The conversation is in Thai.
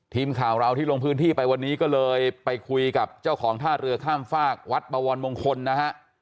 ทีมข่าวเราที่ลงพื้นที่ไปวันนี้ก็เลยไปคุยกับเจ้าของท่าเรือข้ามฝากวัดบวรมงคลนะฮะ